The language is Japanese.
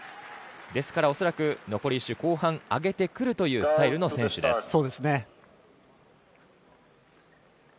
ですから、恐らく残り１周後半に上げてくるというスタイルの選手です。